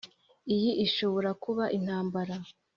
iyi ishobora kuba intambara?